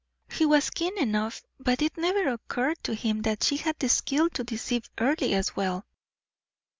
He was keen enough, but it never occurred to him that she had the skill to deceive Earle as well.